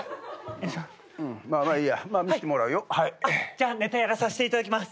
じゃあネタやらさせていただきます。